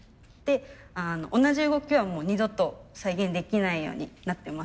同じ動きはもう二度と再現できないようになってます。